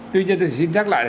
tuy nhiên tôi chỉ nhắc lại